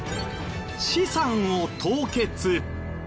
資産を凍結。